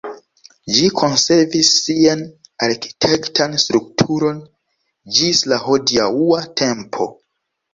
Ĝi konservis sian arkitektan strukturon ĝis la hodiaŭa tempo.